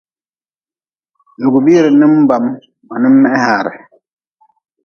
Lugʼbiire ninbam ma nin meh haare.